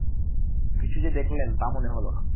কিছু যে দেখলেন তা মনে হল না।